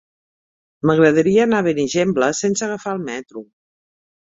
M'agradaria anar a Benigembla sense agafar el metro.